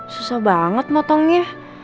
susah banget motongnya